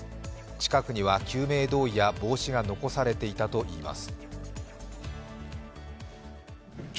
近くには救命胴衣や帽子が残されていたといいます。